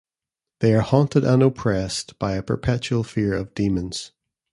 They are haunted and oppressed by a perpetual fear of demons.